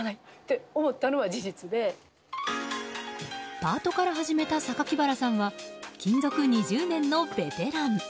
パートから始めた榊原さんは勤続２０年のベテラン。